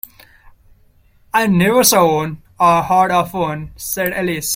‘I never saw one, or heard of one,’ said Alice.